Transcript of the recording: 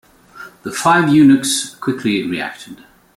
The five eunuchs quickly reacted.